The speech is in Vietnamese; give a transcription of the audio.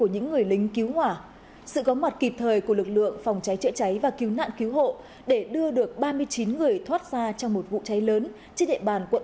hãy đăng ký kênh để nhận thông tin nhất